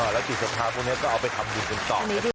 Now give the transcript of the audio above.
แล้วติดสภาพวกนี้ก็เอาไปทำบุญกันต่อ